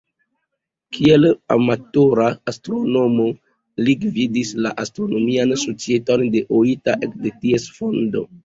Kiel amatora astronomo, li gvidis la Astronomian Societon de Oita ekde ties fondo.